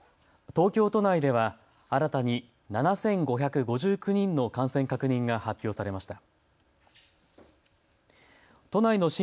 東京都内では新たに７５５９人の感染確認が発表されました。